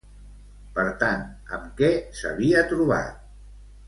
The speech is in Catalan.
Per tant, amb què s'havia trobat?